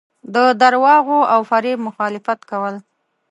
د درواغو او فریب مخالفت کول.